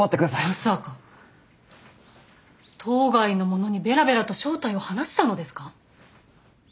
まさか島外の者にベラベラと正体を話したのですか？